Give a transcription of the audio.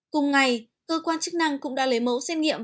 cùng ngày cơ quan chức năng cũng đã lấy mẫu xét nghiệm